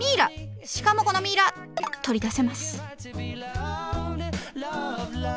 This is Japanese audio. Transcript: しかもこのミイラ取り出せます。